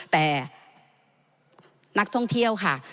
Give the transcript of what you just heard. แต่นักท่องเที่ยวค่ะ